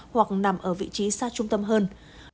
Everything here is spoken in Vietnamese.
hoặc nằm ở vị trí xa trung tâm hơn